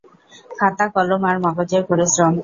খাতা-কলম আর মগজের পরিশ্রম।